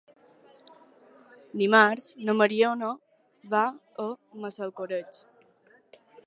Dimarts na Mariona va a Massalcoreig.